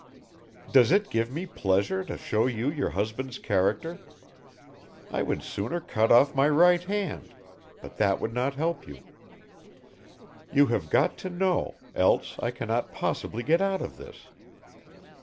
Does it give me pleasure to show you your husband's character? I would sooner cut off my right hand, but that would not help you. You have got to know, else I cannot possibly get out of this.